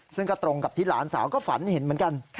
ซึ่งก็ตรงกับที่หลานสาวก็ฝันเห็นเหมือนกัน